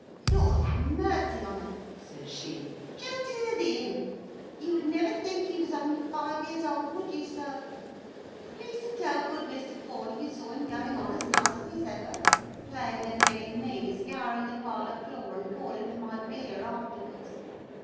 "Lord ha' mercy on us!" says she, "just hear the imp. You would never think he was only five years old, would you, sir? Please to tell good Mr. Forley you saw him going on as nicely as ever, playing at being me scouring the parlour floor, and calling for my beer afterwards.